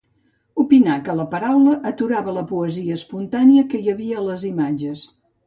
Opinà que la paraula aturava la poesia espontània que hi havia a les imatges.